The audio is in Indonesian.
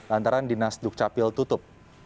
antara dinas dukcapil tutup